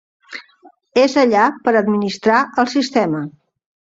És allà per administrar el sistema.